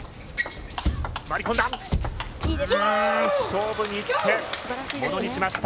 勝負にいってものにしました。